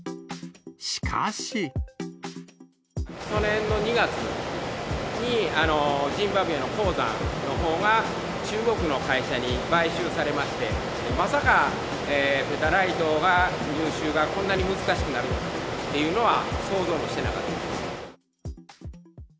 しかし。去年の２月に、ジンバブエの鉱山のほうが中国の会社に買収されまして、まさか、ペタライトが、入手がこんなに難しくなるっていうのは、想像もしてなかったです。